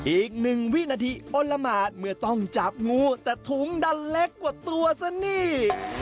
อีกหนึ่งวินาทีอ้นละหมาดเมื่อต้องจับงูแต่ถุงดันเล็กกว่าตัวซะนี่